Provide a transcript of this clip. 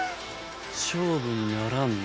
勝負にならんな。